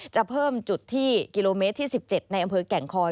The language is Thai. จะเพิ่มจุดที่กิโลเมตรที่๑๗ในอำเภอแก่งคอย